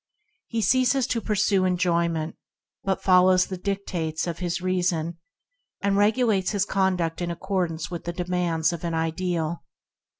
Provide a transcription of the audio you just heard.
He ceases to pursue enjoyment, but follows the dictates of his reason, and regulates his conduct in accord ance with the demands of an ideal.